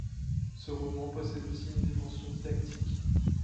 Ce roman possède aussi une dimension didactique.